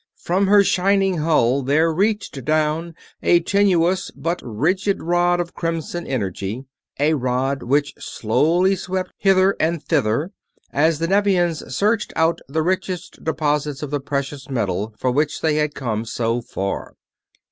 From her shining hull there reached down a tenuous but rigid rod of crimson energy; a rod which slowly swept hither and thither as the Nevians searched out the richest deposits of the precious metal for which they had come so far.